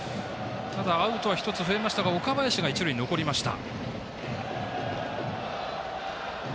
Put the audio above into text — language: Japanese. アウトは１つ増えましたが岡林が一塁に残りました。